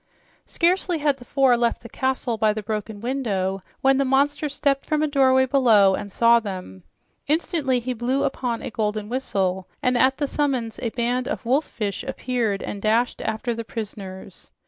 Scarcely had the four left the castle by the broken window when the monster stepped from a doorway below and saw them. Instantly he blew upon a golden whistle, and at the summons a band of wolf fish appeared and dashed after the prisoners.